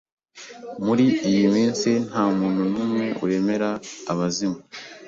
Muri iyi minsi ntamuntu numwe wemera abazimu.